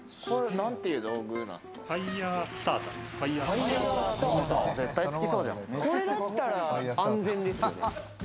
なんていう道具なんですか？